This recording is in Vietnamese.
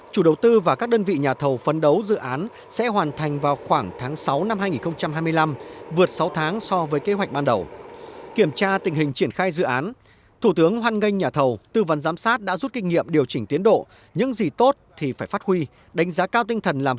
chủ đầu tư và các đơn vị nhà thầu phân đấu dự án sẽ hoàn thành vào khoảng tháng sáu năm hai nghìn hai mươi năm